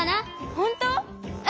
ほんとう？